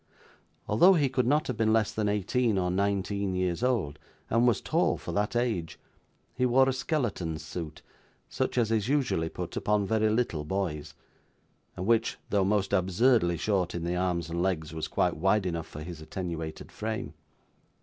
Although he could not have been less than eighteen or nineteen years old, and was tall for that age, he wore a skeleton suit, such as is usually put upon very little boys, and which, though most absurdly short in the arms and legs, was quite wide enough for his attenuated frame.